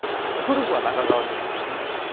古くは中川家さんがいて。